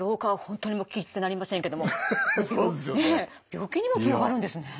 病気にもつながるんですね。